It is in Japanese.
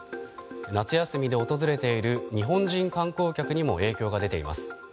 夏休みで訪れている日本人観光客にも影響が出ています。